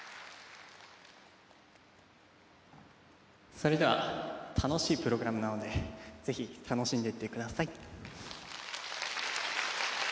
それでは楽しいプログラムなのでぜひ楽しんでいってください。